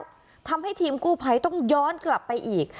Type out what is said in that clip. ดุรับก็ทำให้ทีมกู้ภัยย้อนกลับไปอีก